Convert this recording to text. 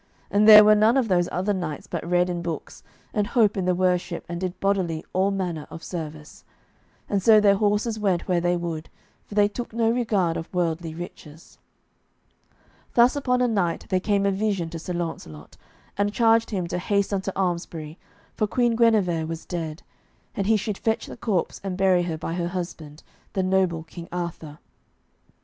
And there were none of those other knights but read in books, and holp in the worship and did bodily all manner of service. And so their horses went where they would, for they took no regard of worldly riches. Thus upon a night there came a vision to Sir Launcelot, and charged him to haste unto Almesbury, for Queen Guenever was dead, and he should fetch the corpse and bury her by her husband, the noble King Arthur.